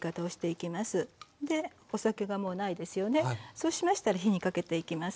そうしましたら火にかけていきます。